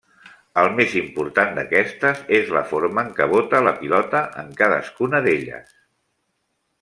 El més important d'aquestes és la forma en què bota la pilota en cadascuna d'elles.